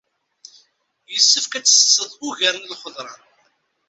Yessefk ad tsetteḍ ugar n lxeḍra.